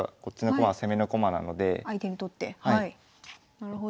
なるほど。